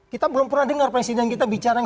kita belum pernah dengar presiden kita bicara yang